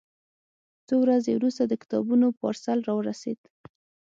څو ورځې وروسته د کتابونو پارسل راورسېد.